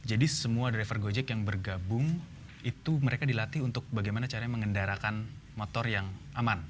jadi semua driver gojek yang bergabung itu mereka dilatih untuk bagaimana caranya mengendarakan motor yang aman